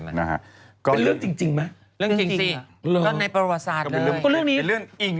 บางเรื่องในปรวาศาสตร์เลย